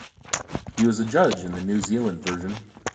He was a judge in the New Zealand version.